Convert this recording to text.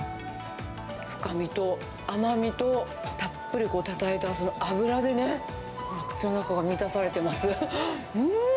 深みと甘みとたっぷりたたえたその脂でね、口の中が満たされてます。